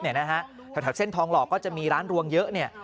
แถวเส้นทองหล่อก็จะมีร้านรวงเยอะเนี่ย